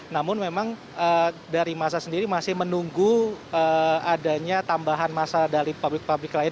namun memang dari masa sendiri masih menunggu adanya tambahan masa dari pabrik pabrik lain